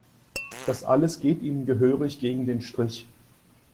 Das alles geht ihm gehörig gegen den Strich.